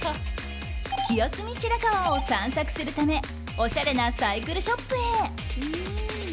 清澄白河を散策するためおしゃれなサイクルショップへ。